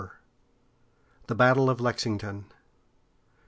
THE BATTLE OF LEXINGTON.